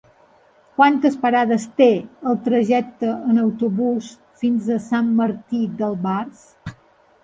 Quantes parades té el trajecte en autobús fins a Sant Martí d'Albars?